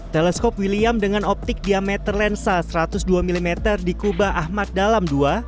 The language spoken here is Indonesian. teleskop william dengan optik diameter lensa satu ratus dua mm di kuba ahmad dalam ii